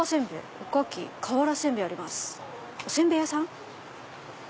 お煎餅屋さん？